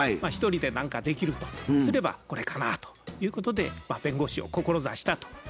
一人で何かできるとすればこれかなということで弁護士を志したと。